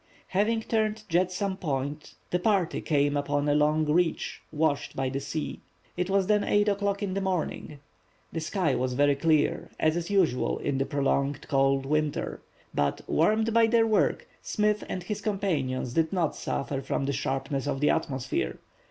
Having turned Jetsam Point the party came upon a long reach washed by the sea. It was then 8 o'clock in the morning. The sky was very clear, as is usual in prolonged cold weather; but, warmed by their work, Smith and his companions did not suffer from the sharpness of the atmosphere.